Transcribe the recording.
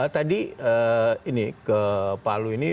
tadi ini ke palu ini